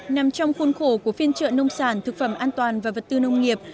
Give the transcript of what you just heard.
nằm trong khuôn khổ của phiên trợ nông sản thực phẩm an toàn và vật tư nông nghiệp